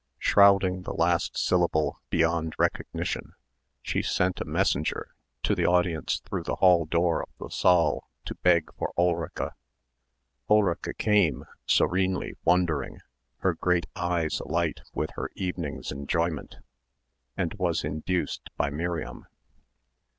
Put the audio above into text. Shrouding the last syllable beyond recognition, she sent a messenger to the audience through the hall door of the saal to beg for Ulrica. Ulrica came, serenely wondering, her great eyes alight with her evening's enjoyment and was induced by Miriam.